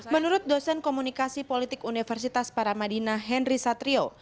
menurut dosen komunikasi politik universitas paramadina henry satrio